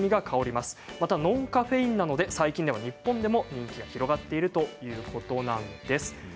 またノンカフェインなので最近では日本でも人気が広がっているということなんです。